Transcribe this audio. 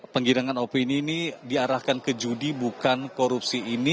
penggirangan opini ini diarahkan ke judi bukan korupsi ini